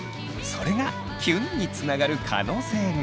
それがキュンにつながる可能性が。